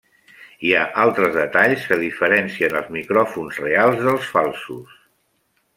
Hi ha altres detalls que diferencien els micròfons reals dels falsos.